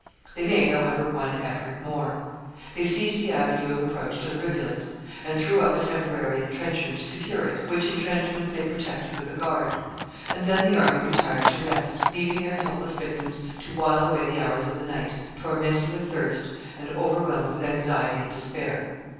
They made, however, one effort more. They seized the avenue of approach to the rivulet, and threw up a temporary intrenchment to secure it which intrenchment they protected with a guard; and then the army retired to rest, leaving their helpless victims to while away the hours of the night, tormented with thirst, and overwhelmed with anxiety and despair.